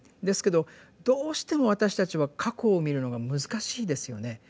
ですけどどうしても私たちは過去を見るのが難しいですよね。